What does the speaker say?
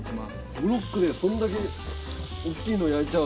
ブロックでそんだけ大きいの焼いちゃう。